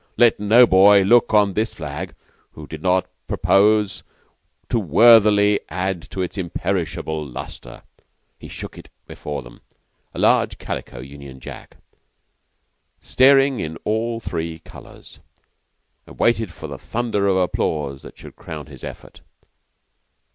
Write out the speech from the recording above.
Let no boy look on this flag who did not purpose to worthily add to its imperishable lustre. He shook it before them a large calico Union Jack, staring in all three colors, and waited for the thunder of applause that should crown his effort.